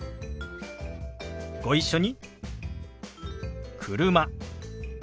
ご一緒に。